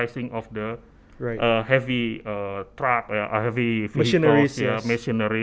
akan menyebabkan peningkatan truk berat